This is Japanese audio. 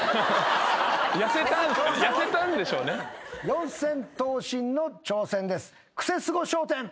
四千頭身の挑戦です。